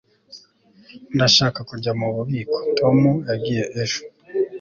ndashaka kujya mububiko tom yagiye ejo